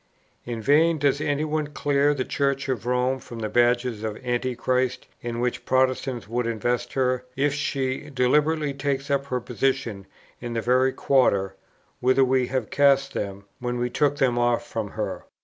In vain does any one clear the Church of Rome from the badges of Antichrist, in which Protestants would invest her, if she deliberately takes up her position in the very quarter, whither we have cast them, when we took them off from her.